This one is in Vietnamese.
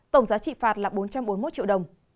tổng giá trị phạt là bốn trăm bốn mươi một triệu đồng